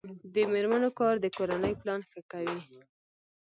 د میرمنو کار د کورنۍ پلان ښه کوي.